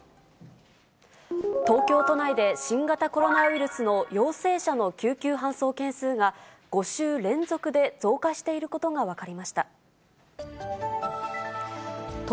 東京都内で新型コロナウイルスの陽性者の救急搬送件数が、５週連続で増加していることが分